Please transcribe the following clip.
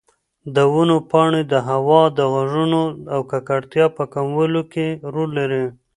د ونو پاڼې د هوا د غږونو او ککړتیا په کمولو کې رول لري.